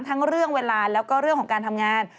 ทั้งเรื่องเวลาแล้วก็เรื่องของการทำงาน